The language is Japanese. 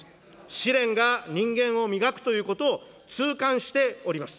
試練が人間を磨くということを痛感しております。